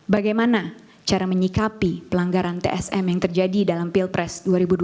bagaimana cara menyikapi pelanggaran tsm yang terjadi dalam pilpres dua ribu dua puluh